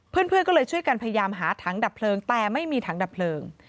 เพื่อนก็เลยช่วยกันพยายามหาถังดับเพลิงแต่ไม่มีถังดับเพลิง